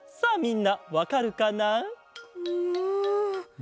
ん